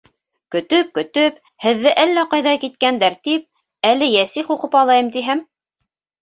Көтөп-көтөп һеҙҙе әллә ҡайҙа киткәндәр тип, әле йәсих уҡып алайым тиһәм.